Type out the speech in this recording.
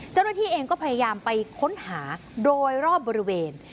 เจ้าหน้าที่เองก็พยายามไปค้นหาโดยรอบบริเวณ